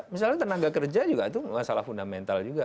misalnya tenaga kerja juga itu masalah fundamental juga